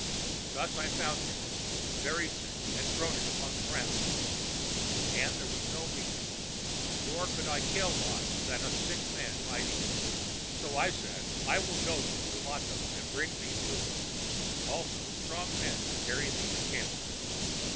Thus I found him, very sick and groaning upon the ground. And there was no meat, nor could I kill aught that the sick man might eat. "So I said, 'I will go to Nulato and bring thee food, also strong men to carry thee to camp.